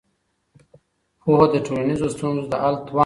پوهه د ټولنیزو ستونزو د حل توان لري.